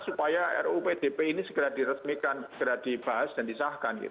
supaya ruu pdp ini segera diresmikan segera dibahas dan disahkan